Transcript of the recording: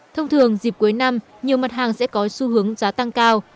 thông thường dịp cuối năm nhiều mặt hàng sẽ có xu hướng giá tăng cao